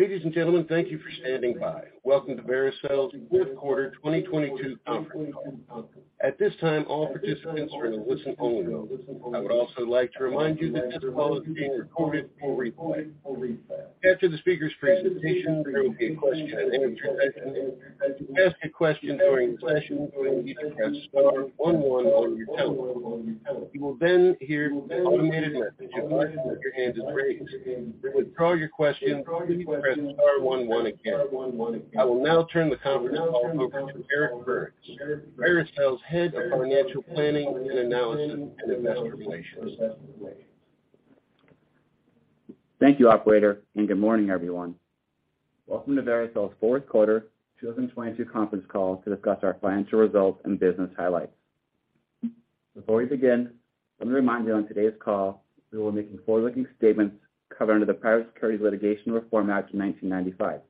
Ladies and gentlemen, thank you for standing by. Welcome to Vericel's Fourth Quarter 2022 conference call. At this time, all participants are in a listen-only mode. I would also like to remind you that this call is being recorded and will replay. After the speakers' presentation, there will be a question-and-answer session. To ask a question during the session, you will need to press star one one on your telephone. You will hear an automated message advising that your hand is raised. To withdraw your question, please press star one one again. I will now turn the conference call over to Eric Burns, Vericel's Head of Financial Planning and Analysis and Investor Relations. Thank you, operator. Good morning, everyone. Welcome to Vericel's Fourth Quarter 2022 conference call to discuss our financial results and business highlights. Before we begin, let me remind you on today's call that we're making forward-looking statements covered under the Private Securities Litigation Reform Act of 1995.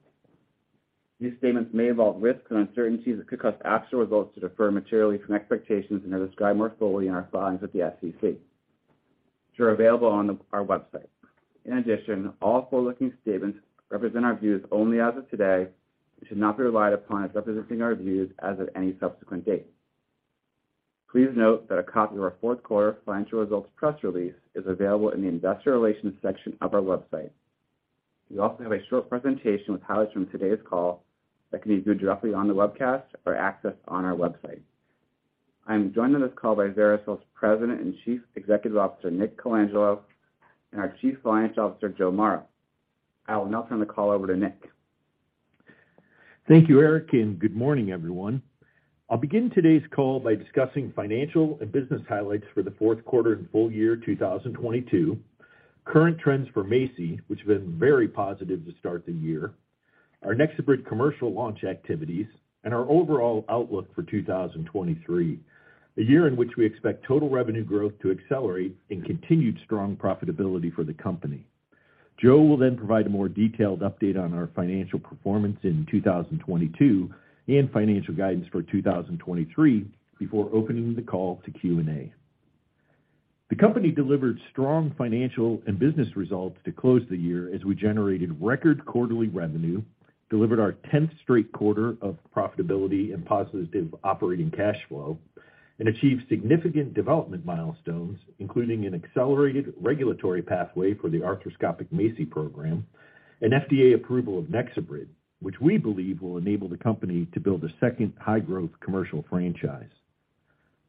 These statements may involve risks and uncertainties that could cause actual results to differ materially from expectations and are described more fully in our filings with the SEC, which are available on our website. All forward-looking statements represent our views only as of today and should not be relied upon as representing our views as of any subsequent date. Please note that a copy of our fourth quarter financial results press release is available in the investor relations section of our website. We also have a short presentation with highlights from today's call that can be viewed directly on the webcast or accessed on our website. I am joined on this call by Vericel's President and Chief Executive Officer, Nick Colangelo, and our Chief Financial Officer, Joe Mara. I will now turn the call over to Nick. Thank you, Eric, and good morning, everyone. I'll begin today's call by discussing financial and business highlights for the fourth quarter and full year 2022, current trends for MACI, which have been very positive to start the year, our NexoBrid commercial launch activities, and our overall outlook for 2023, a year in which we expect total revenue growth to accelerate and continued strong profitability for the company. Joe will then provide a more detailed update on our financial performance in 2022 and financial guidance for 2023 before opening the call to Q&A. The company delivered strong financial and business results to close the year as we generated record quarterly revenue, delivered our tenth straight quarter of profitability and positive operating cash flow, and achieved significant development milestones, including an accelerated regulatory pathway for the arthroscopic MACI program and FDA approval of NexoBrid, which we believe will enable the company to build a second high-growth commercial franchise.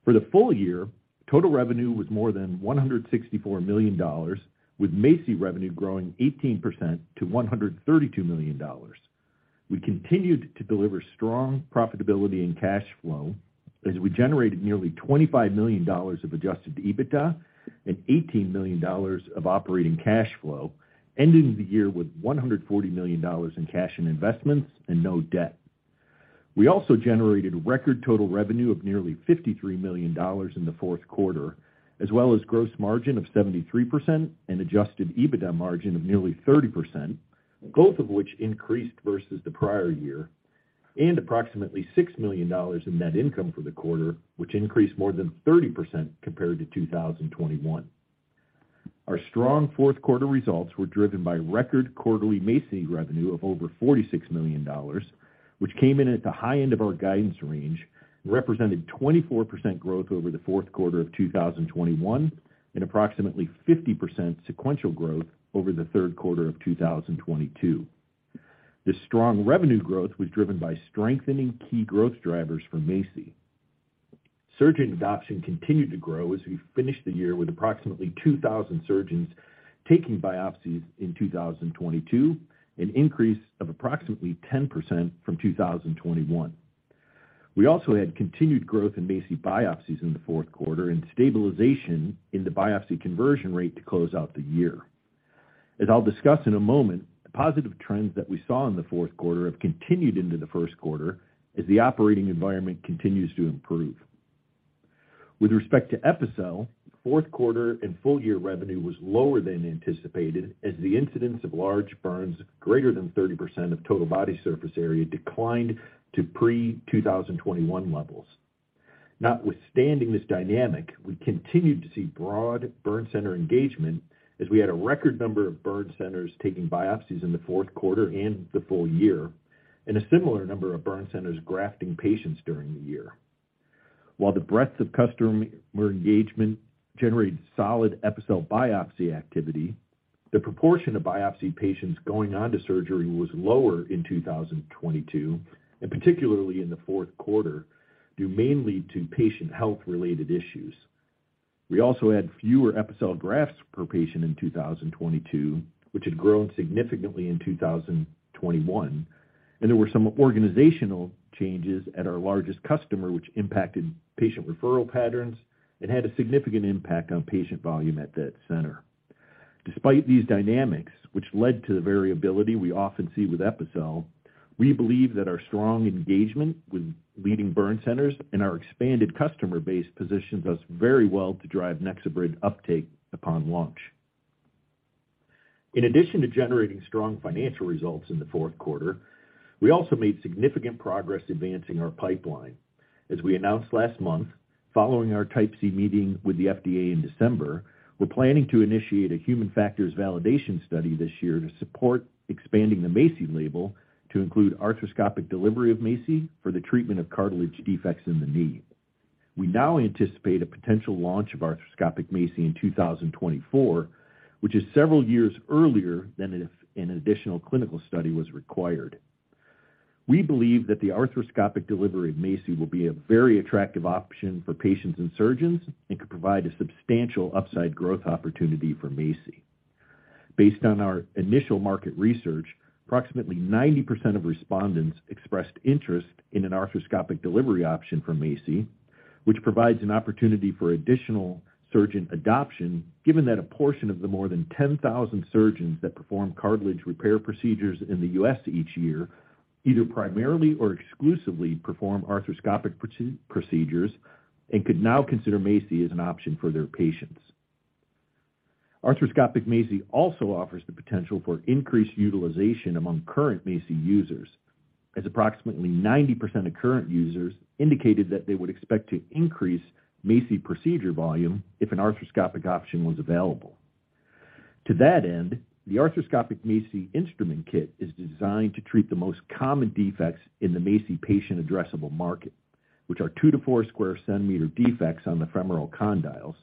For the full year, total revenue was more than $164 million, with MACI revenue growing 18% to $132 million. We continued to deliver strong profitability and cash flow as we generated nearly $25 million of adjusted EBITDA and $18 million of operating cash flow, ending the year with $140 million in cash and investments and no debt. We also generated record total revenue of nearly $53 million in the fourth quarter, as well as gross margin of 73% and adjusted EBITDA margin of nearly 30%, both of which increased versus the prior year, and approximately $6 million in net income for the quarter, which increased more than 30% compared to 2021. Our strong fourth quarter results were driven by record quarterly MACI revenue of over $46 million, which came in at the high end of our guidance range and represented 24% growth over the fourth quarter of 2021, and approximately 50% sequential growth over the third quarter of 2022. This strong revenue growth was driven by strengthening key growth drivers for MACI. Surgeon adoption continued to grow as we finished the year with approximately 2,000 surgeons taking biopsies in 2022, an increase of approximately 10% from 2021. We also had continued growth in MACI biopsies in the fourth quarter and stabilization in the biopsy conversion rate to close out the year. As I'll discuss in a moment, the positive trends that we saw in the fourth quarter have continued into the first quarter as the operating environment continues to improve. With respect to Epicel, fourth quarter and full-year revenue was lower than anticipated as the incidence of large burns greater than 30% of total body surface area declined to pre-2021 levels. Notwithstanding this dynamic, we continued to see broad burn center engagement as we had a record number of burn centers taking biopsies in the fourth quarter and the full year, and a similar number of burn centers grafting patients during the year. While the breadth of customer engagement generated solid Epicel biopsy activity, the proportion of biopsy patients going on to surgery was lower in 2022, and particularly in the fourth quarter, due mainly to patient health-related issues. We also had fewer Epicel grafts per patient in 2022, which had grown significantly in 2021, and there were some organizational changes at our largest customer which impacted patient referral patterns and had a significant impact on patient volume at that center. Despite these dynamics, which led to the variability we often see with Epicel, we believe that our strong engagement with leading burn centers and our expanded customer base positions us very well to drive NexoBrid uptake upon launch. In addition to generating strong financial results in the fourth quarter. We also made significant progress advancing our pipeline. As we announced last month, following our Type C meeting with the FDA in December, we're planning to initiate a human factors validation study this year to support expanding the MACI label to include arthroscopic delivery of MACI for the treatment of cartilage defects in the knee. We now anticipate a potential launch of arthroscopic MACI in 2024, which is several years earlier than if an additional clinical study was required. We believe that the arthroscopic delivery of MACI will be a very attractive option for patients and surgeons and could provide a substantial upside growth opportunity for MACI. Based on our initial market research, approximately 90% of respondents expressed interest in an arthroscopic delivery option for MACI, which provides an opportunity for additional surgeon adoption, given that a portion of the more than 10,000 surgeons that perform cartilage repair procedures in the U.S. each year either primarily or exclusively perform arthroscopic procedures and could now consider MACI as an option for their patients. Arthroscopic MACI also offers the potential for increased utilization among current MACI users, as approximately 90% of current users indicated that they would expect to increase MACI procedure volume if an arthroscopic option was available. To that end, the arthroscopic MACI instrument kit is designed to treat the most common defects in the MACI patient addressable market, which are 2 sq cm-4 sq cm defects on the femoral condyles.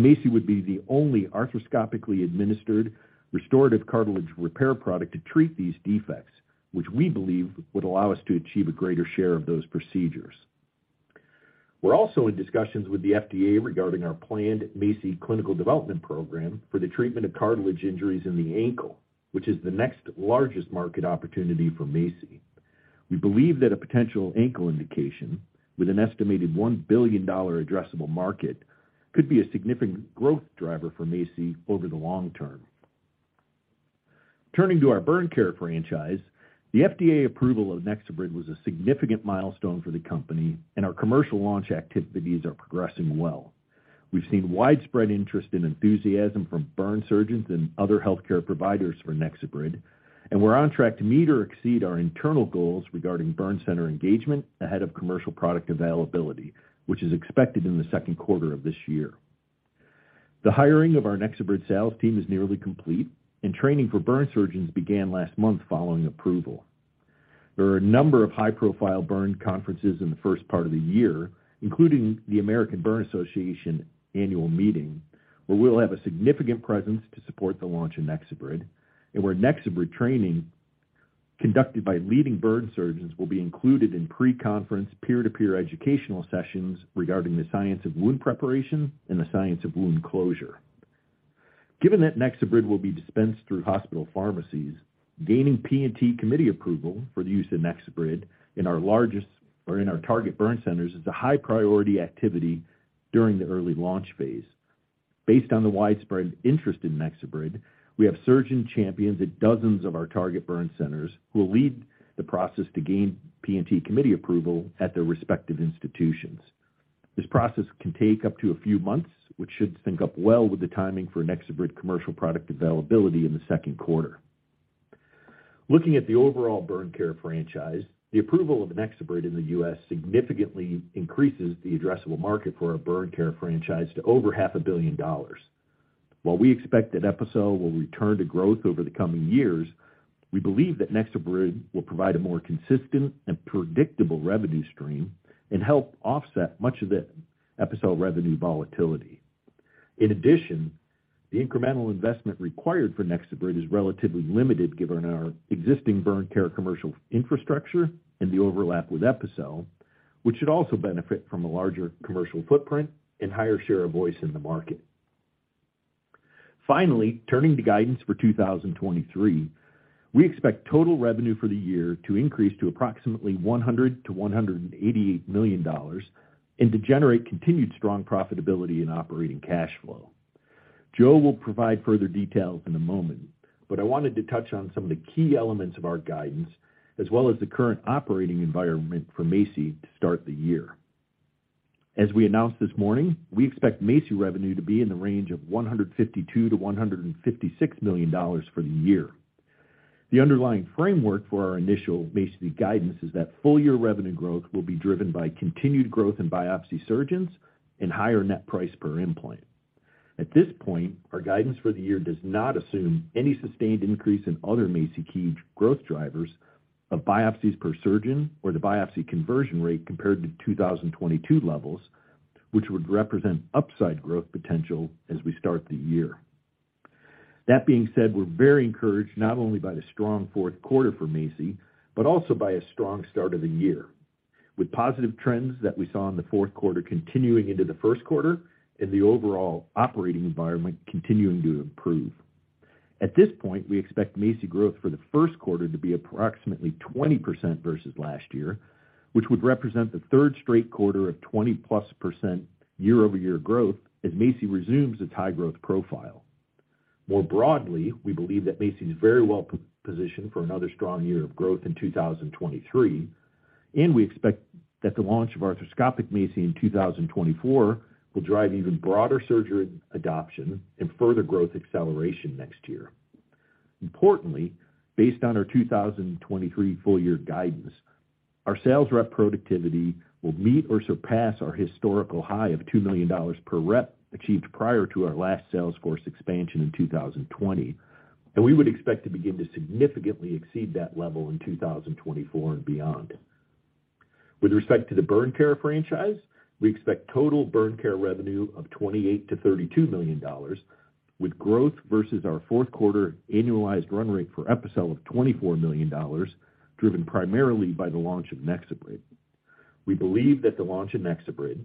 MACI would be the only arthroscopically administered restorative cartilage repair product to treat these defects, which we believe would allow us to achieve a greater share of those procedures. We're also in discussions with the FDA regarding our planned MACI clinical development program for the treatment of cartilage injuries in the ankle, which is the next largest market opportunity for MACI. We believe that a potential ankle indication with an estimated $1 billion addressable market could be a significant growth driver for MACI over the long term. Turning to our burn care franchise, the FDA approval of NexoBrid was a significant milestone for the company. Our commercial launch activities are progressing well. We've seen widespread interest and enthusiasm from burn surgeons and other healthcare providers for NexoBrid, and we're on track to meet or exceed our internal goals regarding burn center engagement ahead of commercial product availability, which is expected in the second quarter of this year. The hiring of our NexoBrid sales team is nearly complete, and training for burn surgeons began last month following approval. There are a number of high-profile burn conferences in the first part of the year, including the American Burn Association annual meeting, where we'll have a significant presence to support the launch of NexoBrid, and where NexoBrid training conducted by leading burn surgeons will be included in pre-conference peer-to-peer educational sessions regarding the science of wound preparation and the science of wound closure. Given that NexoBrid will be dispensed through hospital pharmacies, gaining P&T committee approval for the use of NexoBrid in our largest or in our target burn centers is a high priority activity during the early launch phase. Based on the widespread interest in NexoBrid, we have surgeon champions at dozens of our target burn centers who will lead the process to gain P&T committee approval at their respective institutions. This process can take up to a few months, which should sync up well with the timing for NexoBrid commercial product availability in the second quarter. Looking at the overall burn care franchise, the approval of NexoBrid in the U.S. significantly increases the addressable market for our burn care franchise to over half a billion dollars. While we expect that Epicel will return to growth over the coming years, we believe that NexoBrid will provide a more consistent and predictable revenue stream and help offset much of the Epicel revenue volatility. In addition, the incremental investment required for NexoBrid is relatively limited given our existing burn care commercial infrastructure and the overlap with Epicel, which should also benefit from a larger commercial footprint and higher share of voice in the market. Turning to guidance for 2023, we expect total revenue for the year to increase to approximately $100 million-$188 million and to generate continued strong profitability and operating cash flow. Joe will provide further details in a moment, but I wanted to touch on some of the key elements of our guidance as well as the current operating environment for MACI to start the year. As we announced this morning, we expect MACI revenue to be in the range of $152 million-$156 million for the year. The underlying framework for our initial MACI guidance is that full year revenue growth will be driven by continued growth in biopsy surgeons and higher net price per implant. At this point, our guidance for the year does not assume any sustained increase in other MACI key growth drivers of biopsies per surgeon or the biopsy conversion rate compared to 2022 levels, which would represent upside growth potential as we start the year. That being said, we're very encouraged not only by the strong fourth quarter for MACI, but also by a strong start of the year, with positive trends that we saw in the fourth quarter continuing into the first quarter and the overall operating environment continuing to improve. At this point, we expect MACI growth for the first quarter to be approximately 20% versus last year, which would represent the third straight quarter of 20%-plus year-over-year growth as MACI resumes its high-growth profile. More broadly, we believe that MACI is very well positioned for another strong year of growth in 2023. We expect that the launch of arthroscopic MACI in 2024 will drive even broader surgery adoption and further growth acceleration next year. Importantly, based on our 2023 full year guidance, our sales rep productivity will meet or surpass our historical high of $2 million per rep achieved prior to our last sales force expansion in 2020. We would expect to begin to significantly exceed that level in 2024 and beyond. With respect to the burn care franchise, we expect total burn care revenue of $28 million-$32 million with growth versus our fourth quarter annualized run rate for Epicel of $24 million, driven primarily by the launch of NexoBrid. We believe that the launch of NexoBrid,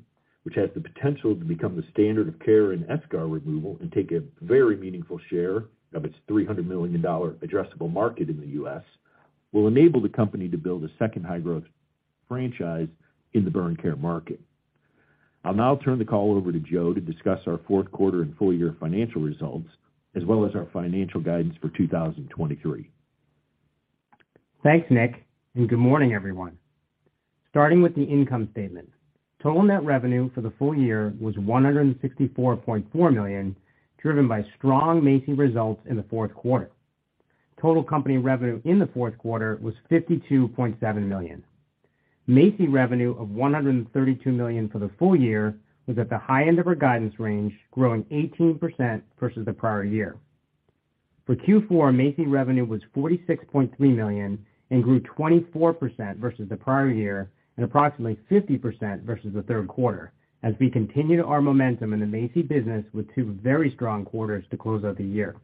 which has the potential to become the standard of care in eschar removal and take a very meaningful share of its $300 million addressable market in the U.S., will enable the company to build a second high-growth franchise in the burn care market. I'll now turn the call over to Joe to discuss our fourth quarter and full year financial results, as well as our financial guidance for 2023. Thanks, Nick. Good morning, everyone. Starting with the income statement. Total net revenue for the full year was $164.4 million, driven by strong MACI results in the fourth quarter. Total company revenue in the fourth quarter was $52.7 million. MACI revenue of $132 million for the full year was at the high end of our guidance range, growing 18% versus the prior year. For Q4, MACI revenue was $46.3 million and grew 24% versus the prior year and approximately 50% versus the third quarter as we continued our momentum in the MACI business with two very strong quarters to close out the year.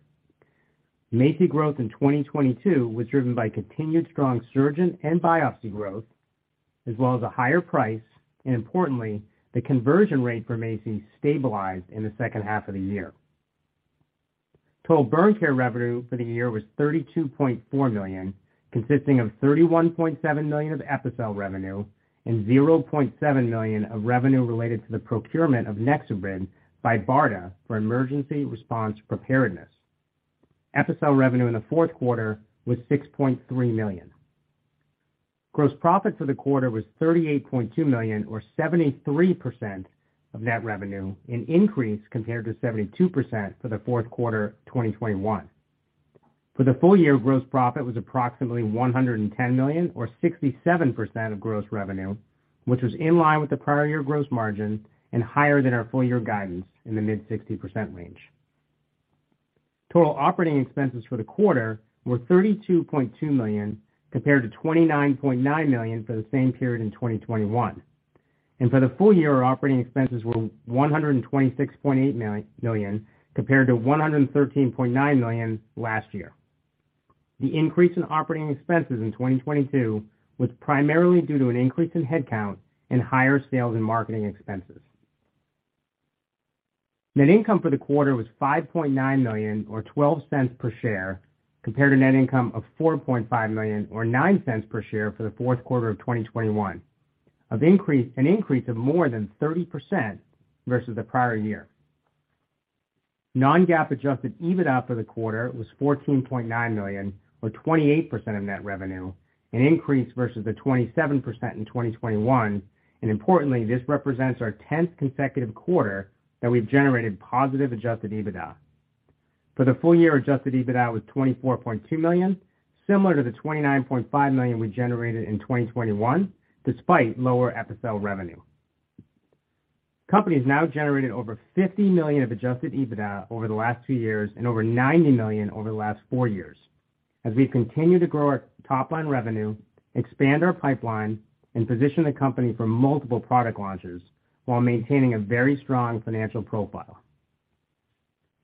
MACI growth in 2022 was driven by continued strong surgeon and biopsy growth as well as a higher price, and importantly, the conversion rate for MACI stabilized in the second half of the year. Total burn care revenue for the year was $32.4 million, consisting of $31.7 million of Epicel revenue and $0.7 million of revenue related to the procurement of NexoBrid by BARDA for emergency response preparedness. Epicel revenue in the fourth quarter was $6.3 million. Gross profit for the quarter was $38.2 million or 73% of net revenue, an increase compared to 72% for the fourth quarter of 2021. For the full year, gross profit was approximately $110 million or 67% of gross revenue, which was in line with the prior year gross margin and higher than our full-year guidance in the mid-60% range. Total operating expenses for the quarter were $32.2 million compared to $29.9 million for the same period in 2021. For the full year, operating expenses were $126.8 million compared to $113.9 million last year. The increase in operating expenses in 2022 was primarily due to an increase in headcount and higher sales and marketing expenses. Net income for the quarter was $5.9 million or $0.12 per share, compared to net income of $4.5 million or $0.09 per share for the fourth quarter of 2021. An increase of more than 30% versus the prior year. Non-GAAP adjusted EBITDA for the quarter was $14.9 million or 28% of net revenue, an increase versus the 27% in 2021. Importantly, this represents our 10th consecutive quarter that we've generated positive adjusted EBITDA. For the full year, adjusted EBITDA was $24.2 million, similar to the $29.5 million we generated in 2021, despite lower Epicel revenue. Company has now generated over $50 million of adjusted EBITDA over the last two years and over $90 million over the last four years as we continue to grow our top-line revenue, expand our pipeline, and position the company for multiple product launches while maintaining a very strong financial profile.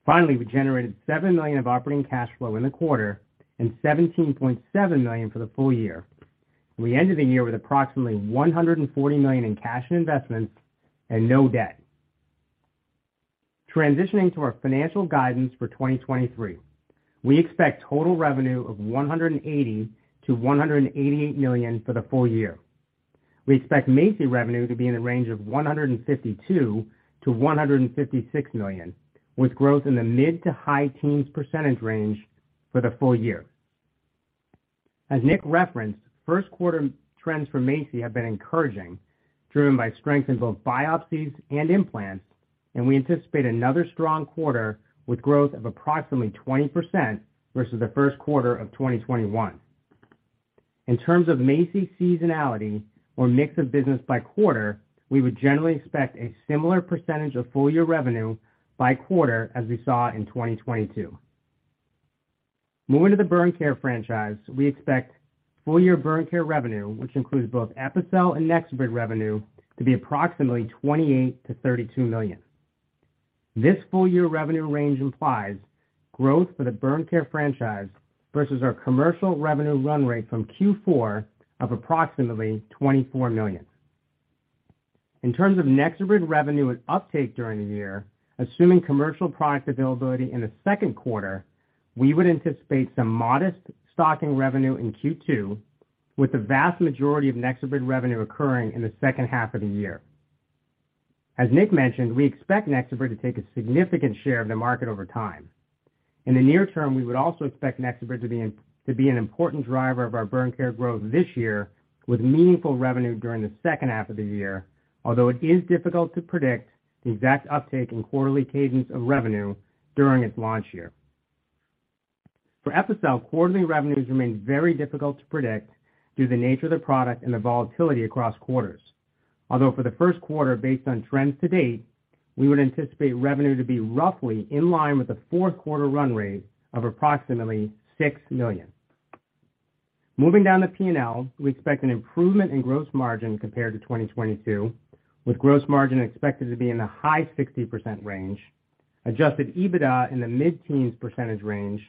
We generated $7 million of operating cash flow in the quarter and $17.7 million for the full year. We ended the year with approximately $140 million in cash and investments and no debt. Transitioning to our financial guidance for 2023. We expect total revenue of $180 million-$188 million for the full year. We expect MACI revenue to be in the range of $152 million-$156 million, with growth in the mid to high teens percentage range for the full year. As Nick referenced, first quarter trends for MACI have been encouraging, driven by strength in both biopsies and implants, and we anticipate another strong quarter with growth of approximately 20% versus the first quarter of 2021. In terms of MACI seasonality or mix of business by quarter, we would generally expect a similar percentage of full year revenue by quarter as we saw in 2022. Moving to the burn care franchise. We expect full year burn care revenue, which includes both Epicel and NexoBrid revenue, to be approximately $28 million-$32 million. This full year revenue range implies growth for the burn care franchise versus our commercial revenue run rate from Q4 of approximately $24 million. In terms of NexoBrid revenue and uptake during the year, assuming commercial product availability in the second quarter, we would anticipate some modest stocking revenue in Q2, with the vast majority of NexoBrid revenue occurring in the second half of the year. As Nick mentioned, we expect NexoBrid to take a significant share of the market over time. In the near term, we would also expect NexoBrid to be an important driver of our burn care growth this year with meaningful revenue during the second half of the year, although it is difficult to predict the exact uptake in quarterly cadence of revenue during its launch year. For Epicel, quarterly revenues remain very difficult to predict due to the nature of the product and the volatility across quarters. For the first quarter, based on trends to date, we would anticipate revenue to be roughly in line with the fourth quarter run rate of approximately $6 million. Moving down to P&L, we expect an improvement in gross margin compared to 2022, with gross margin expected to be in the high 60% range, adjusted EBITDA in the mid-teens percentage range,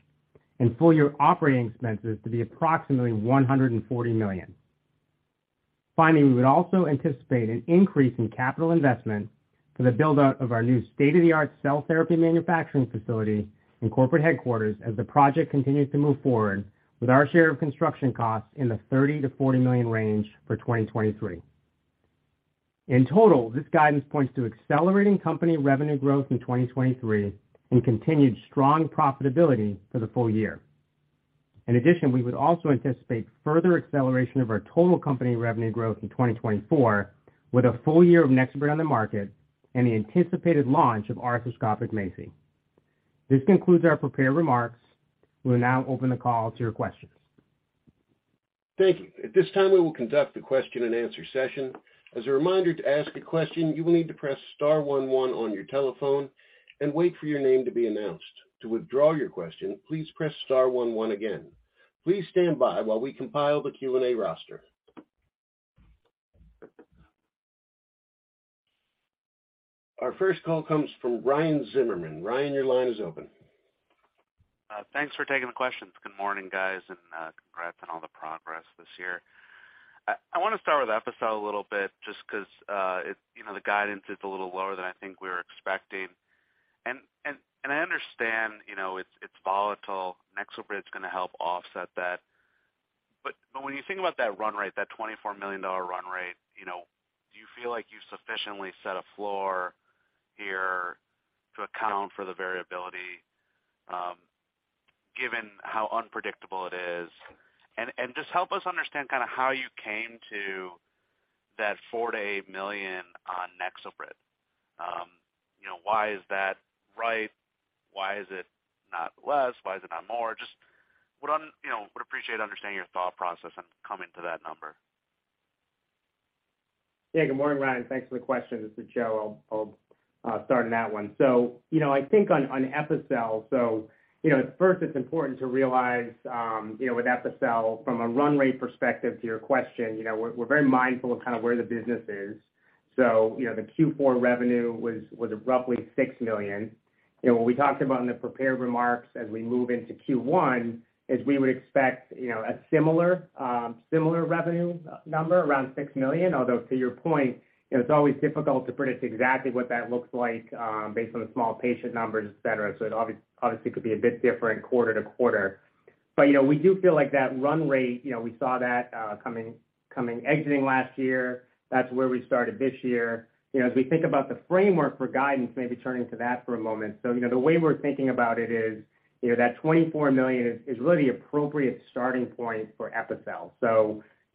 and full year operating expenses to be approximately $140 million. We would also anticipate an increase in capital investment for the build-out of our new state-of-the-art cell therapy manufacturing facility and corporate headquarters as the project continues to move forward with our share of construction costs in the $30 million-$40 million range for 2023. In total, this guidance points to accelerating company revenue growth in 2023 and continued strong profitability for the full year. In addition, we would also anticipate further acceleration of our total company revenue growth in 2024 with a full year of NexoBrid on the market and the anticipated launch of arthroscopic MACI. This concludes our prepared remarks. We'll now open the call to your questions. Thank you. At this time, we will conduct a question-and-answer session. As a reminder, to ask a question, you will need to press star one one on your telephone and wait for your name to be announced. To withdraw your question, please press star one one again. Please stand by while we compile the Q&A roster. Our first call comes from Ryan Zimmerman. Ryan, your line is open. Thanks for taking the questions. Good morning, guys, and congrats on all the progress this year. I wanna start with Epicel a little bit just 'cause, you know, the guidance is a little lower than I think we were expecting. I understand, you know, it's volatile. NexoBrid is gonna help offset that. When you think about that run rate, that $24 million run rate, you know, do you feel like you sufficiently set a floor here to account for the variability, given how unpredictable it is? Just help us understand kinda how you came to that $4 million-$8 million on NexoBrid. You know, why is that right? Why is it not less? Why is it not more? Just, you know, would appreciate understanding your thought process in coming to that number. Yeah, good morning, Ryan. Thanks for the question. This is Joe. I'll start on that one. You know, I think on Epicel, you know, at first it's important to realize, you know, with Epicel from a run rate perspective to your question, you know, we're very mindful of kind of where the business is. You know, the Q4 revenue was roughly $6 million. You know, what we talked about in the prepared remarks as we move into Q1 is we would expect, you know, a similar similar revenue number, around $6 million. Although to your point, you know, it's always difficult to predict exactly what that looks like, based on the small patient numbers, et cetera. It obviously could be a bit different quarter to quarter. You know, we do feel like that run rate, you know, we saw that coming exiting last year. That's where we started this year. You know, as we think about the framework for guidance, maybe turning to that for a moment. You know, the way we're thinking about it is, you know, that $24 million is really the appropriate starting point for Epicel.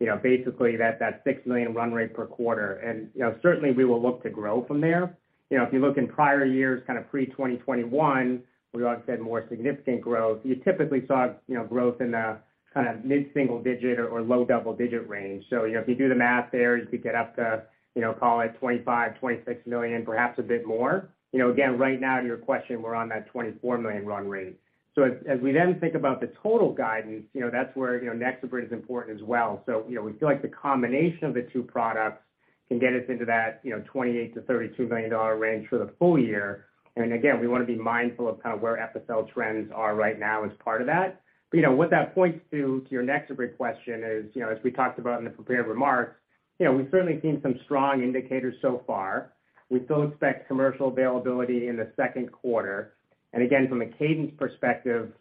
You know, basically that's that $6 million run rate per quarter. You know, certainly we will look to grow from there. You know, if you look in prior years, kind of pre-2021, where you obviously had more significant growth, you typically saw, you know, growth in the kinda mid-single digit or low double-digit range. You know, if you do the math there, you could get up to, you know, call it $25 million-$26 million, perhaps a bit more. You know, again, right now to your question, we're on that $24 million run rate. As we think about the total guidance, you know, that's where, you know, NexoBrid is important as well. You know, we feel like the combination of the two products can get us into that, you know, $28 million-$32 million range for the full year. Again, we wanna be mindful of kind of where Epicel trends are right now as part of that. You know, what that points to your NexoBrid question is, you know, as we talked about in the prepared remarks, you know, we've certainly seen some strong indicators so far. We still expect commercial availability in the second quarter. Again, from a cadence perspective,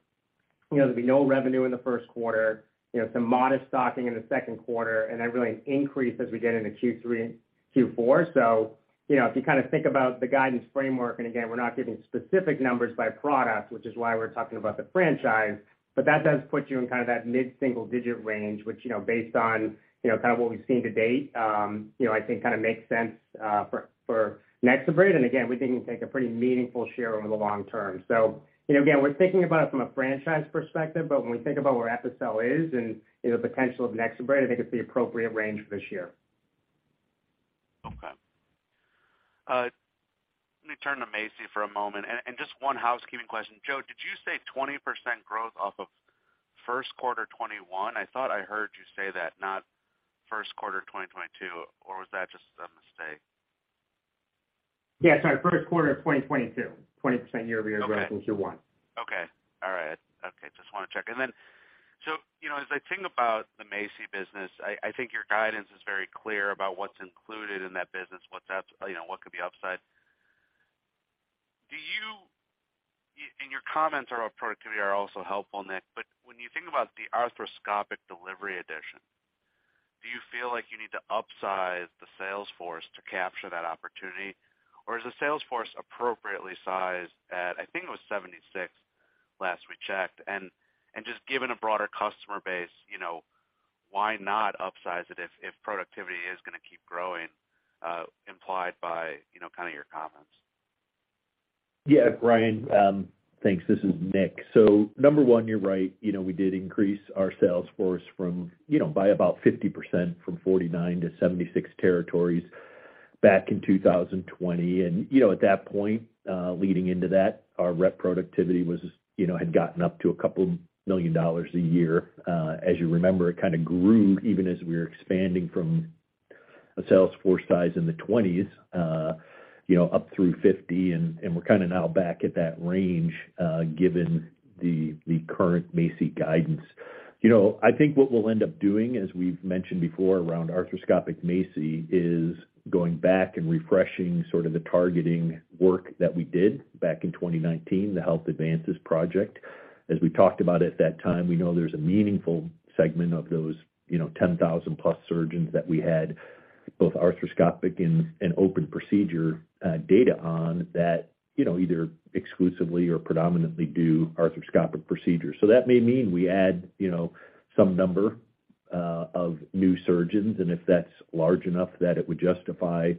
you know, there'll be no revenue in the first quarter, you know, some modest stocking in the second quarter, and then really an increase as we get into Q3 and Q4. You know, if you kinda think about the guidance framework, and again, we're not giving specific numbers by product, which is why we're talking about the franchise, but that does put you in kind of that mid-single-digit range, which, you know, based on, you know, kind of what we've seen to date, you know, I think kinda makes sense for NexoBrid. Again, we think it can take a pretty meaningful share over the long term. You know, again, we're thinking about it from a franchise perspective, but when we think about where Epicel is and, you know, the potential of NexoBrid, I think it's the appropriate range for this year. Okay. Let me turn to MACI for a moment. Just one housekeeping question. Joe, did you say 20% growth off of first quarter 2021? I thought I heard you say that, not first quarter of 2022, or was that just a mistake? Yeah, sorry. First quarter of 2022. 20% year-over-year. Okay... growth in Q1. Okay. All right. Okay, just wanna check. You know, as I think about the MACI business, I think your guidance is very clear about what's included in that business, what could be upside. And your comments are productivity are also helpful, Nick. When you think about the arthroscopic delivery addition, do you feel like you need to upsize the sales force to capture that opportunity? Or is the sales force appropriately sized at, I think it was 76 last we checked? Just given a broader customer base, you know, why not upsize it if productivity is gonna keep growing, implied by, you know, kind of your comments? Yeah, Ryan. thanks. This is Nick. Number one, you're right. You know, we did increase our sales force from, you know, by about 50% from 49 to 76 territories back in 2020. At that point, leading into that, our rep productivity was, you know, had gotten up to $2 million a year. As you remember, it kind of grew even as we were expanding from a sales force size in the 20s, you know, up through 50. We're kind of now back at that range, given the current MACI guidance. You know, I think what we'll end up doing, as we've mentioned before around arthroscopic MACI, is going back and refreshing sort of the targeting work that we did back in 2019, the Health Advances project. As we talked about at that time, we know there's a meaningful segment of those, you know, 10,000+ surgeons that we had both arthroscopic and open procedure data on that, you know, either exclusively or predominantly do arthroscopic procedures. That may mean we add, you know, some number of new surgeons, and if that's large enough that it would justify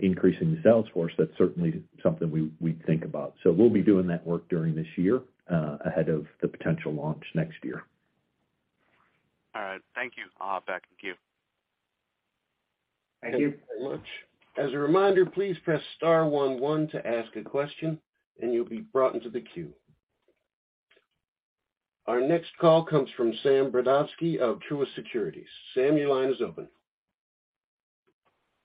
increasing the sales force, that's certainly something we'd think about. We'll be doing that work during this year ahead of the potential launch next year. All right. Thank you. I'll hop back in queue. Thank you. Thank you very much. As a reminder, please press star one one to ask a question. You'll be brought into the queue. Our next call comes from Sam Brodovsky of Truist Securities. Sam, your line is open.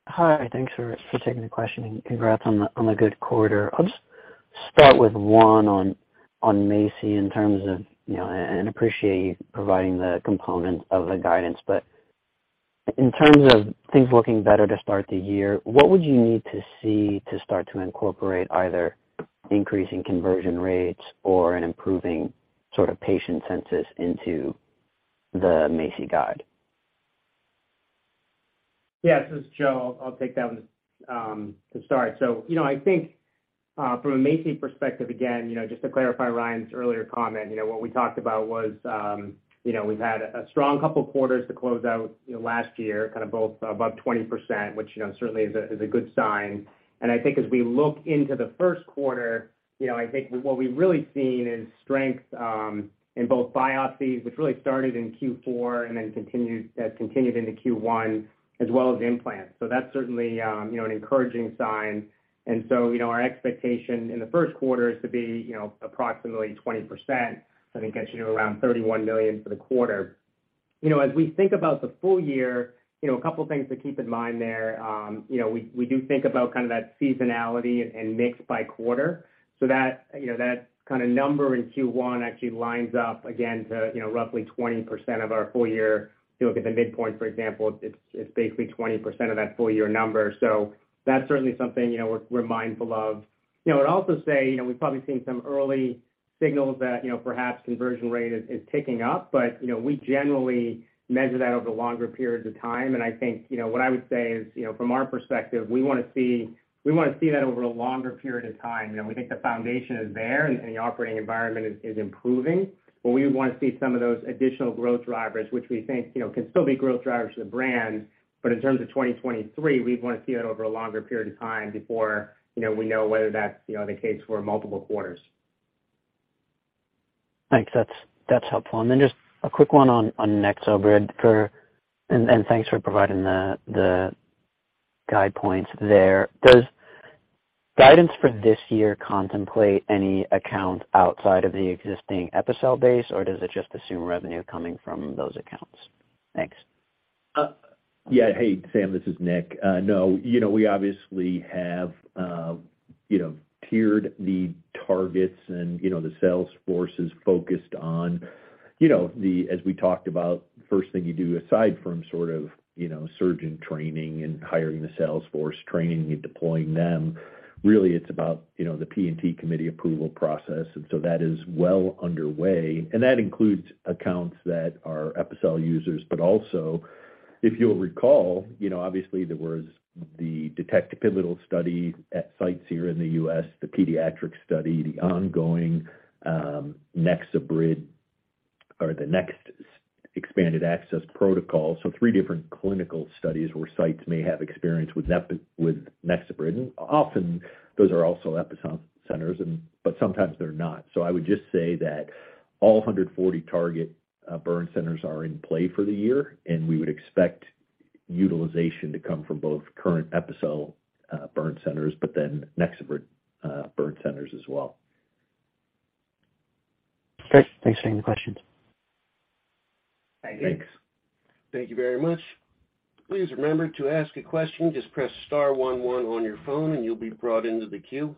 Hi. Thanks for taking the question. Congrats on a good quarter. I'll just start with one on MACI in terms of, you know, and appreciate you providing the components of the guidance. In terms of things looking better to start the year, what would you need to see to start to incorporate either increasing conversion rates or an improving sort of patient census into the MACI guide? Yeah. This is Joe. I'll take that one to start. You know, I think from a MACI perspective, again, you know, just to clarify Ryan's earlier comment, you know, what we talked about was, you know, we've had a strong couple of quarters to close out, you know, last year, kind of both above 20%, which, you know, certainly is a good sign. I think as we look into the first quarter, you know, I think what we've really seen is strength in both biopsies, which really started in Q4 and then continued into Q1, as well as implants. That's certainly, you know, an encouraging sign. Our expectation in the first quarter is to be, you know, approximately 20%. I think that's, you know, around $31 million for the quarter. You know, as we think about the full year, you know, a couple things to keep in mind there. You know, we do think about kind of that seasonality and mix by quarter. That, you know, that kind of number in Q1 actually lines up again to, you know, roughly 20% of our full year. If you look at the midpoint, for example, it's basically 20% of that full year number. That's certainly something, you know, we're mindful of. You know, I'd also say, you know, we've probably seen some early signals that, you know, perhaps conversion rate is ticking up. You know, we generally measure that over longer periods of time. I think, you know, what I would say is, you know, from our perspective, we wanna see that over a longer period of time. You know, we think the foundation is there and the operating environment is improving. We would wanna see some of those additional growth drivers, which we think, you know, can still be growth drivers to the brand. In terms of 2023, we'd wanna see that over a longer period of time before, you know, we know whether that's, you know, the case for multiple quarters. Thanks. That's helpful. Just a quick one on NexoBrid for... Thanks for providing the guide points there. Does guidance for this year contemplate any account outside of the existing Epicel base, or does it just assume revenue coming from those accounts? Thanks. Yeah. Hey, Sam, this is Nick. No. You know, we obviously have, you know, tiered the targets and, you know, the sales force is focused on, you know, as we talked about, first thing you do aside from sort of, you know, surgeon training and hiring the sales force, training and deploying them, really it's about, you know, the P&T committee approval process. That is well underway. That includes accounts that are Epicel users. Also, if you'll recall, you know, obviously there was the DETECT pivotal study at sites here in the U.S., the pediatric study, the ongoing NexoBrid or the next expanded access protocol. Three different clinical studies where sites may have experience with NexoBrid. Often those are also Epicel Center centers, but sometimes they're not. I would just say that all 140 target burn centers are in play for the year. We would expect utilization to come from both current Epicel burn centers, but then NexoBrid burn centers as well. Great. Thanks for taking the questions. Thank you. Thanks. Thank you very much. Please remember to ask a question, just press star one one on your phone, and you'll be brought into the queue.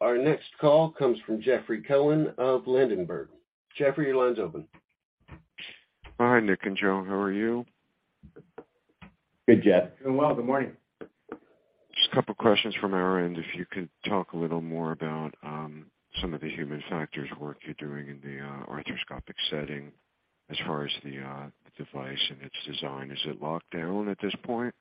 Our next call comes from Jeffrey Cohen of Ladenburg. Jeffrey, your line's open. Hi, Nick and Joe. How are you? Good, Jeff. Doing well. Good morning. Just a couple questions from our end. If you could talk a little more about, some of the human factors work you're doing in the arthroscopic setting as far as the device and its design. Is it locked down at this point?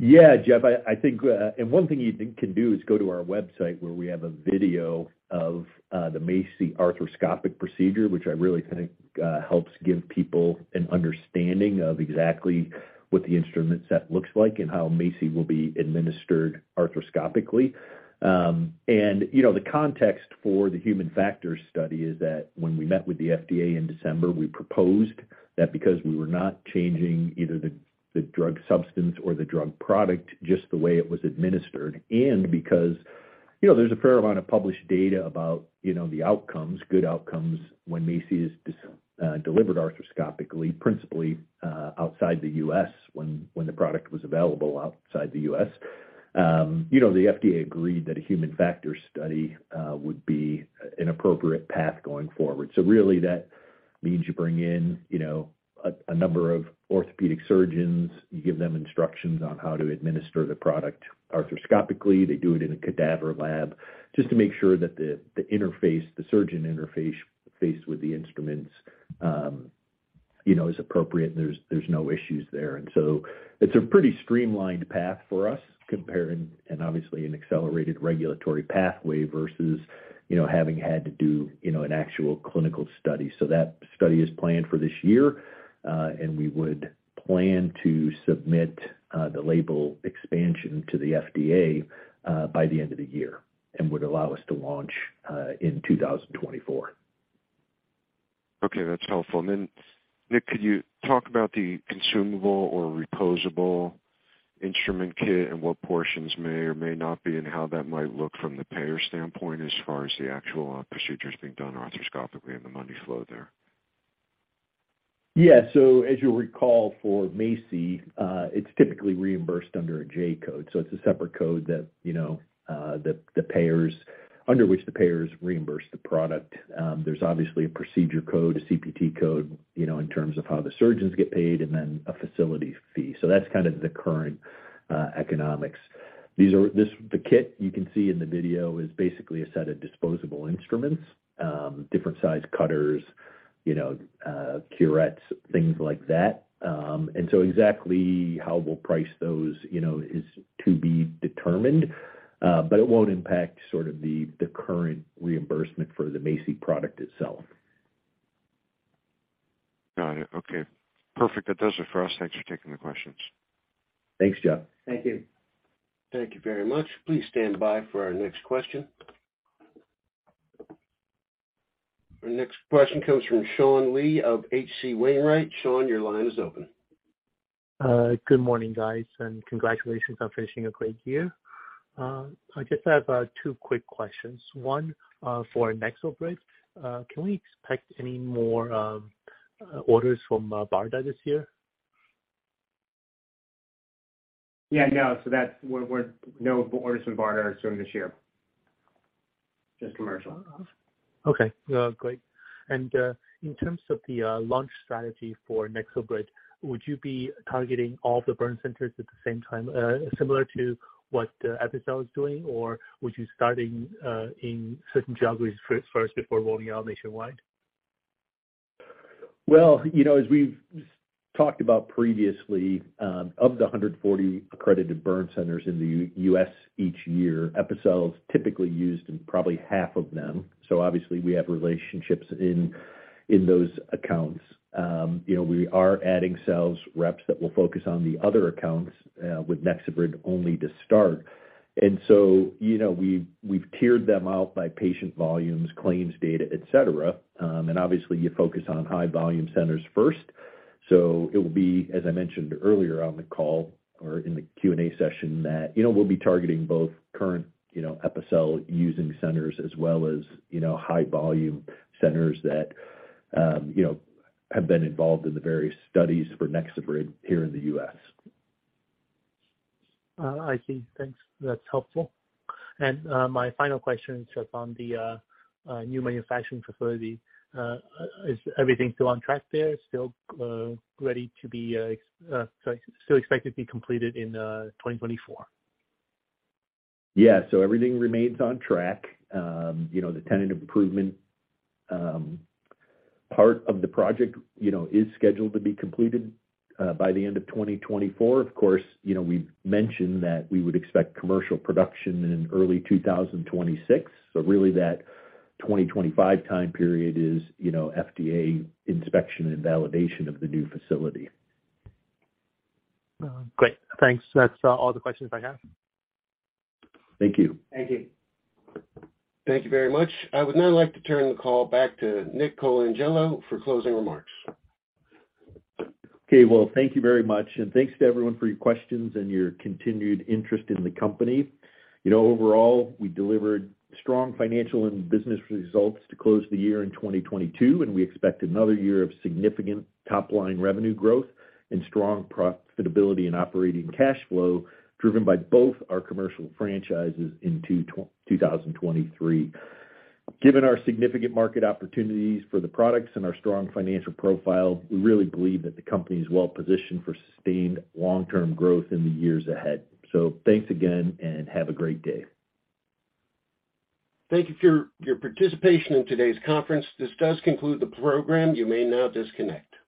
Yeah, Jeff. I think, one thing you can do is go to our website where we have a video of the MACI arthroscopic procedure, which I really think helps give people an understanding of exactly what the instrument set looks like and how MACI will be administered arthroscopically. You know, the context for the human factors study is that when we met with the FDA in December, we proposed that because we were not changing either the drug substance or the drug product, just the way it was administered, and because, you know, there's a fair amount of published data about, you know, the outcomes, good outcomes when MACI is delivered arthroscopically, principally, outside the U.S. when the product was available outside the U.S. You know, the FDA agreed that a human factors study would be an appropriate path going forward. Really that means you bring in, you know, a number of orthopedic surgeons. You give them instructions on how to administer the product arthroscopically. They do it in a cadaver lab just to make sure that the interface, the surgeon interface faced with the instruments, you know, is appropriate and there's no issues there. It's a pretty streamlined path for us comparing and obviously an accelerated regulatory pathway versus, you know, having had to do, you know, an actual clinical study. That study is planned for this year, and we would plan to submit the label expansion to the FDA by the end of the year, and would allow us to launch in 2024. Okay, that's helpful. Nick, could you talk about the consumable or reposable instrument kit and what portions may or may not be, and how that might look from the payer standpoint as far as the actual procedures being done arthroscopically and the money flow there? As you'll recall for MACI, it's typically reimbursed under a J-code, so it's a separate code that, you know, the payers under which the payers reimburse the product. There's obviously a procedure code, a CPT code, you know, in terms of how the surgeons get paid, and then a facility fee. That's kind of the current economics. The kit you can see in the video is basically a set of disposable instruments, different size cutters, you know, curettes, things like that. Exactly how we'll price those, you know, is to be determined, but it won't impact sort of the current reimbursement for the MACI product itself. Got it. Okay. Perfect. That does it for us. Thanks for taking the questions. Thanks, Jeff. Thank you. Thank you very much. Please stand by for our next question. Our next question comes from Sean Lee of H.C. Wainwright. Sean, your line is open. Good morning, guys, and congratulations on finishing a great year. I just have two quick questions. One, for NexoBrid. Can we expect any more orders from BARDA this year? Yeah, no. That's we're no orders from BARDA soon this year. Just commercial. Okay. Great. In terms of the launch strategy for NexoBrid, would you be targeting all the burn centers at the same time, similar to what Epicel is doing? Or would you starting in certain geographies first before rolling out nationwide? Well, you know, as we've talked about previously, of the 140 accredited burn centers in the U.S. each year, Epicel is typically used in probably half of them. Obviously we have relationships in those accounts. You know, we are adding sales reps that will focus on the other accounts with NexoBrid only to start. You know, we've tiered them out by patient volumes, claims data, et cetera. Obviously you focus on high volume centers first. It will be, as I mentioned earlier on the call or in the Q&A session, that, you know, we'll be targeting both current Epicel using centers as well as, you know, high volume centers that, you know, have been involved in the various studies for NexoBrid here in the U.S. I see. Thanks. That's helpful. My final question, Je, on the new manufacturing facility. Is everything still on track there? Still ready to be still expected to be completed in 2024? Yeah. Everything remains on track. You know, the tenant improvement part of the project, you know, is scheduled to be completed by the end of 2024. Of course, you know, we've mentioned that we would expect commercial production in early 2026. Really that 2025 time period is, you know, FDA inspection and validation of the new facility. Great. Thanks. That's all the questions I have. Thank you. Thank you. Thank you very much. I would now like to turn the call back to Dominick Colangelo for closing remarks. Okay. Well, thank you very much, thanks to everyone for your questions and your continued interest in the company. You know, overall, we delivered strong financial and business results to close the year in 2022. We expect another year of significant top-line revenue growth and strong profitability and operating cash flow driven by both our commercial franchises in 2023. Given our significant market opportunities for the products and our strong financial profile, we really believe that the company is well positioned for sustained long-term growth in the years ahead. Thanks again, have a great day. Thank you for your participation in today's conference. This does conclude the program. You may now disconnect.